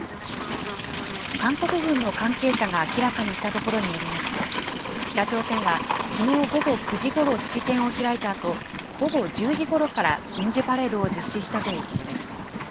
韓国軍の関係者が明らかにしたところによりますと、北朝鮮は、きのう午後９時ごろ式典を開いたあと、午後１０時ごろから軍事パレードを実施したということです。